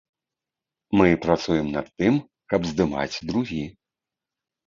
Мы працуем над тым, каб здымаць другі.